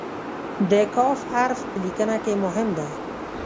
د "ک" حرف په لیکنه کې مهم دی.